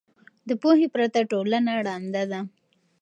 د پوهې پرته ټولنه ړنده ده.